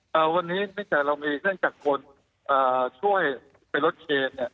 ครับวันนี้เรามีเรื่องจากคนช่วยไปลดเกณฑ์